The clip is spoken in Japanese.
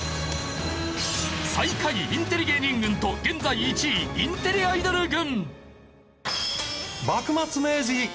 最下位インテリ芸人軍と現在１位インテリアイドル軍。